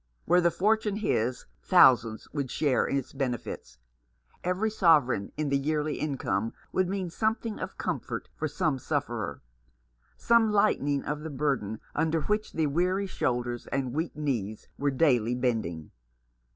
Were the fortune his, thousands would share in its benefits. Every sovereign in the yearly income would mean something of comfort for some sufferer — some lightening of the burden under which the weary shoulders and weak knees were daily bending.